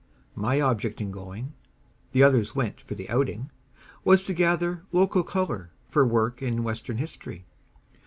My object in going the others went for the outing was to gather "local color" for work in Western history.